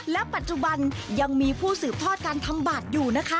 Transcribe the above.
และปัจจุบันยังมีผู้สืบทอดการทำบัตรอยู่นะคะ